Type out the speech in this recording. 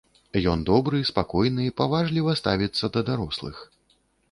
Ён добры, спакойны, паважліва ставіцца да дарослых.